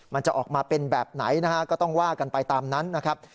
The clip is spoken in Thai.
มันจะออกมาเป็นแบบไหนนะฮะก็ต้องว่ากันไปตามนั้นนะครับ